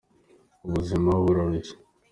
ubuzima burarushya.